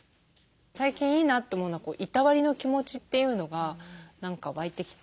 最近いいなと思うのはいたわりの気持ちというのが何か湧いてきて。